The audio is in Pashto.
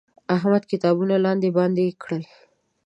احمد کتابونه لاندې باندې کړل.